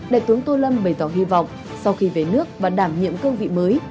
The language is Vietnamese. đại tướng tô lâm bày tỏ hy vọng sau khi về nước và đảm nhiệm cương vị mới